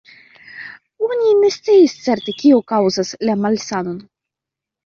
Oni ne scias certe, kio kaŭzas la malsanon.